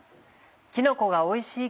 きのこがおいしい